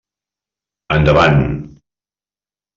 Endavant.